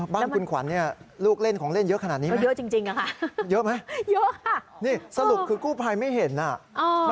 บ้านคุณขวัญเนี่ยลูกเล่นของเล่นเยอะขนาดนี้ไหม